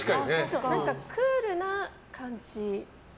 何かクールな感じ。